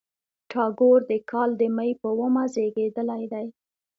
ټاګور د کال د مۍ په اوومه زېږېدلی دی.